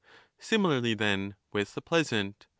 Similarly, then, with the pleasant.